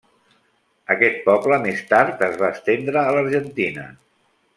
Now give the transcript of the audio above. Aquest poble més tard es va estendre a l'Argentina.